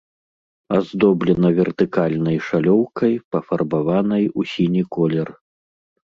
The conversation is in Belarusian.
Аздоблена вертыкальнай шалёўкай, пафарбаванай у сіні колер.